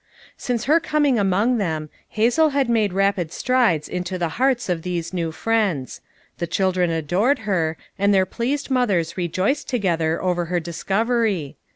Since her coming among them Hazel had made rapid strides into the hearts of these new friends. The children adored her, and their pleased mothers rejoiced together over her dis covery.